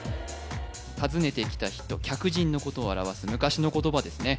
訪ねてきた人客人のことを表す昔の言葉ですね